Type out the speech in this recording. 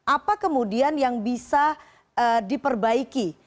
apa kemudian yang bisa diperbaiki